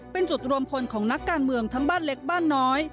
เป็นจุดรวมพลของนักการเมืองทั้งบ้านเล็กบ้านน้อย